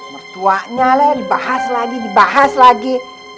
mertuanya leh dibahas lagi dibahas lagi